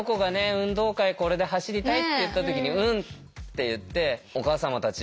「運動会これで走りたい？」って言った時に「うん」って言ってお母様たちうれしかったと思うし。